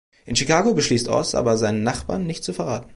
In Chicago beschließt Oz aber, seinen Nachbarn nicht zu verraten.